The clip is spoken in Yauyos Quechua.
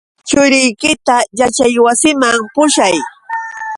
Churiykita yaćhaywasiman pushay.